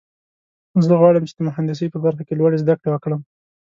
زه غواړم چې د مهندسۍ په برخه کې لوړې زده کړې وکړم